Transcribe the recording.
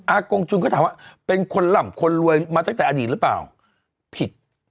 กงจุนก็ถามว่าเป็นคนหล่ำคนรวยมาตั้งแต่อดีตหรือเปล่าผิด